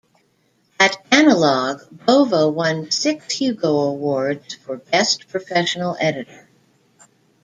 At "Analog", Bova won six Hugo Awards for Best Professional Editor.